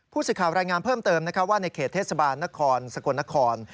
ผู้สื่อข่าวรายงานเพิ่มเติมว่าในเขตเทศบาลนครสกลนคร